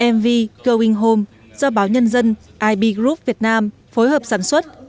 mv going home do báo nhân dân ib group việt nam phối hợp sản xuất